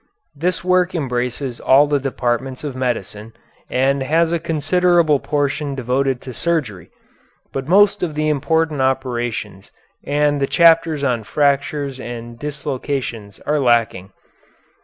This work embraces all the departments of medicine, and has a considerable portion devoted to surgery, but most of the important operations and the chapters on fractures and dislocations are lacking.